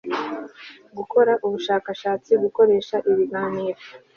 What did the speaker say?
gukora ubushakashatsi gukoresha ibiganiro